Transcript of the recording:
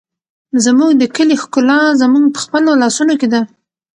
زموږ د کلي ښکلا زموږ په خپلو لاسونو کې ده.